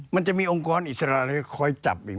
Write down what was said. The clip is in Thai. มันจะมีองค์กรอิสระอะไรคอยจับอีก